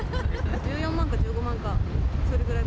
１４万か１５万か、それぐらい。